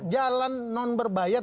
jalan non berbayar